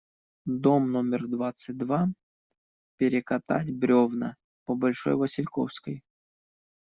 Дом номер двадцать два, перекатать бревна, по Большой Васильковской.